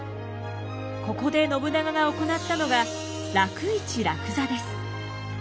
ここで信長が行ったのが楽市楽座です。